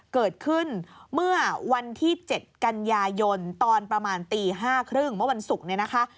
เกิดขึ้นเมื่อวันที่๗กันยายนตอนประมาณตี๕๓๐เมื่อวันศุกร์เนี่ยนะคะ